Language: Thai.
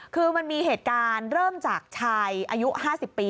คือมันมีเหตุการณ์เริ่มจากชายอายุ๕๐ปี